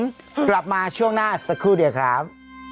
กลับมาช่วงหน้าสักครู่เดียวครับ